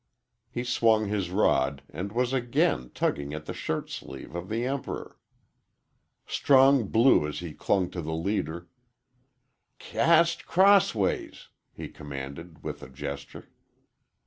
He swung his rod, and was again tugging at the shirt sleeve of the Emperor. Strong blew as he clung to the leader. "C cast c crossways," he commanded, with a gesture.